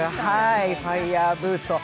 「ファイヤーブースト」。